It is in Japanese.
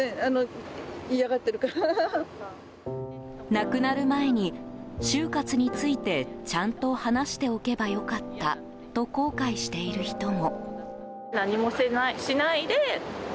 亡くなる前に、終活についてちゃんと話しておけば良かったと後悔している人も。